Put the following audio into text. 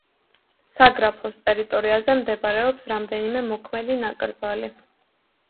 საგრაფოს ტერიტორიაზე მდებარეობს რამდენიმე მოქმედი ნაკრძალი.